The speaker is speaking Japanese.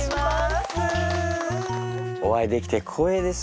お会いできて光栄です。